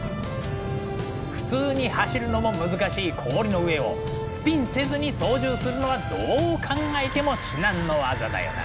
普通に走るのも難しい氷の上をスピンせずに操縦するのはどう考えても至難の業だよな。